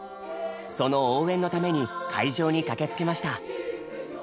その応援のために会場に駆けつけました。